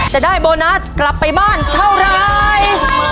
จะได้โบนัสกลับไปบ้านเท่าไร